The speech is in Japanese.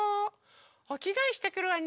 おきがえしてくるわね。